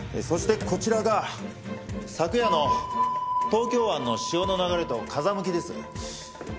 そしてこちらが昨夜の東京湾の潮の流れと風向きです。